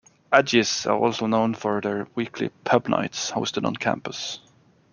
Aggies are also known for their weekly 'pub nights' hosted on campus.